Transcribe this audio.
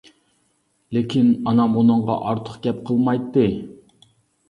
لېكىن ئانام ئۇنىڭغا ئارتۇق گەپ قىلمايتتى.